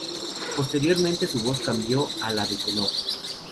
Posteriormente, su voz cambió a la de tenor.